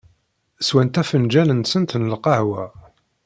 Swant afenǧal-nsent n lqahwa.